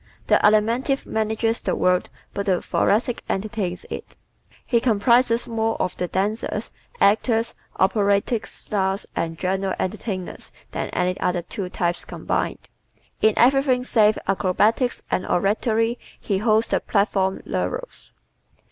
The Alimentive manages the world but the Thoracic entertains it. He comprises more of the dancers, actors, operatic stars and general entertainers than any other two types combined. In everything save acrobatics and oratory he holds the platform laurels.